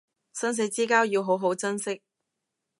生死之交要好好珍惜